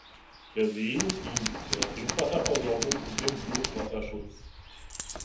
Der See dient der Trinkwasserversorgung und dem Hochwasserschutz.